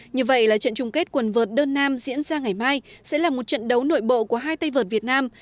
như vậy là trận chung kết quần vợt đơn nam diễn ra ngày mai sẽ là một trận đấu nội bộ của hai tay vợt việt nam